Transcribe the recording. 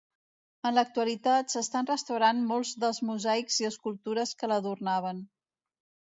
En l'actualitat, s'estan restaurant molts dels mosaics i escultures que l'adornaven.